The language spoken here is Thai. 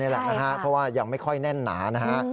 เพราะว่ายังไม่ค่อยแน่นหนานะฮะ